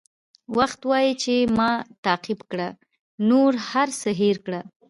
وخت وایي چې ما تعقیب کړه نور هر څه هېر کړه.